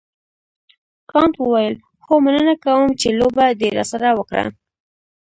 کانت وویل هو مننه کوم چې لوبه دې راسره وکړه.